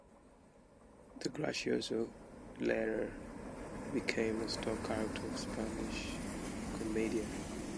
The "gracioso" later became a stock character of Spanish comedia.